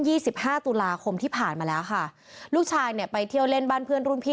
สิบห้าตุลาคมที่ผ่านมาแล้วค่ะลูกชายเนี่ยไปเที่ยวเล่นบ้านเพื่อนรุ่นพี่